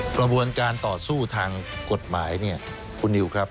กระบวนการต่อสู้ทางกฎหมายเนี่ยคุณนิวครับ